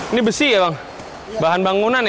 ini besi ya bang bahan bangunan ya